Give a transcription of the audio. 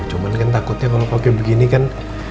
cuman kan takutnya kalau pakai begini kan